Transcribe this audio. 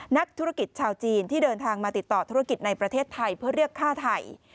นักธุรกิจชาวจีนที่เดินทางมาติดต่อธุรกิจในประเทศไทยเพื่อเรียกฆ่าไทย